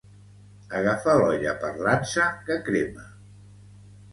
Agafar l'olla per l'ansa que crema.